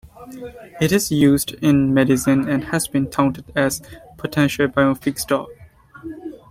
It is used in medicine and has been touted as a potential biofeedstock.